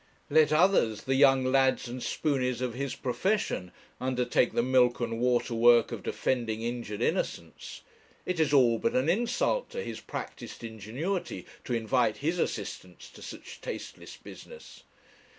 Let others, the young lads and spooneys of his profession, undertake the milk and water work of defending injured innocence; it is all but an insult to his practised ingenuity to invite his assistance to such tasteless business.